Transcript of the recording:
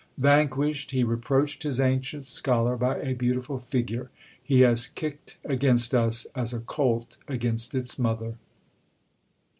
Vanquished, he reproached his ancient scholar by a beautiful figure: "He has kicked against us as a colt against its mother."